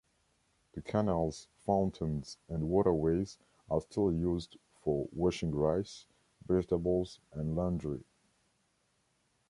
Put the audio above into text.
The canals, fountains, and waterways are still used for washing rice, vegetables, and laundry.